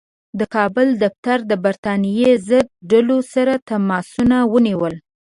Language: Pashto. د کابل دفتر د برټانیې ضد ډلو سره تماسونه ونیول.